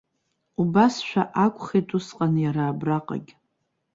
Убасшәа акәхеит усҟан иара абраҟагь.